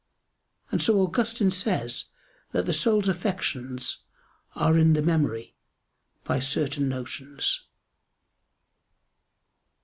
And so Augustine says that the soul's affections are in the memory by certain notions.